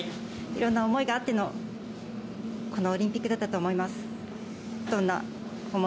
いろんな思いがあっての、このオリンピックだったと思います。